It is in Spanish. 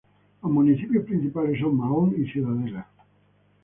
Los municipios principales son Mahón y Ciudadela.